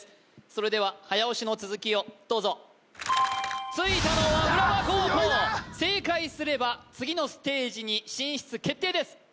それでは早押しの続きをどうぞついたのは浦和高校正解すれば次のステージに進出決定です